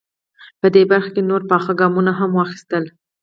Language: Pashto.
په دې برخه کې نور پاخه ګامونه هم واخیستل.